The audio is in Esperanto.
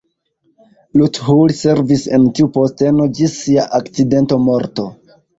Luthuli servis en tiu posteno ĝis sia akcidenta morto.